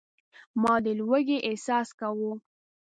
ما د لوږې احساس کاوه.